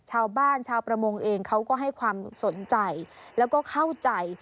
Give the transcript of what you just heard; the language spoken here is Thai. ชาวประมงเองเขาก็ให้ความสนใจแล้วก็เข้าใจ